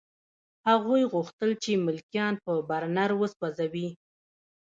هغوی غوښتل چې ملکیان په برنر وسوځوي